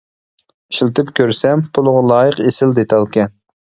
ئىشلىتىپ كۆرسەم، پۇلىغا لايىق ئېسىل دېتالكەن.